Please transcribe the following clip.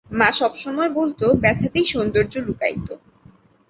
মা সব সময় বলতো ব্যথাতেই সৌন্দর্য লুকায়িত।